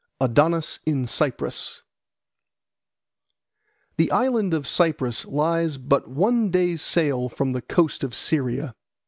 Adonis in Cyprus THE ISLAND of Cyprus lies but one day's sail from the coast of Syria.